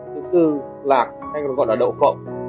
thứ tư lạc hay còn gọi là đậu phộng